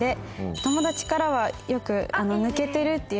「友達からはよく抜けてるっていう感じで」